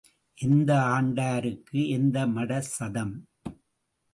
எந்த ஆண்டாருக்கு எந்த மடம் சதம்?